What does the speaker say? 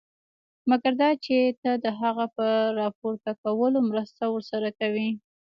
مګر دا چې ته د هغه په راپورته کولو مرسته ورسره کوې.